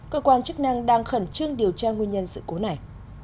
cơ quan chức năng đang khẩn trương điều tra nguyên nhân sự cố này